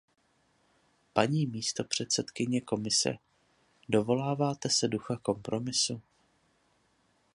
Paní místopředsedkyně Komise, dovoláváte se ducha kompromisu.